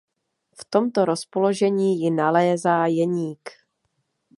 V tomto rozpoložení ji nalézá Jeník.